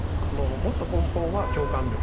もっと根本は共感力。